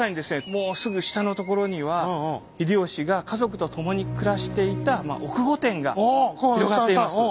もうすぐ下のところには秀吉が家族と共に暮らしていた奥御殿が広がっています。